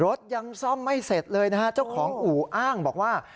รถยังซ่อมไม่เสร็จเลยนะฮะเจ้าของอู่อ้างบอกว่า